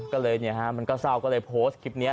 ก็เลยมันก็เศร้าก็เลยโพสต์คลิปนี้